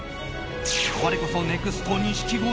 我こそネクスト錦鯉？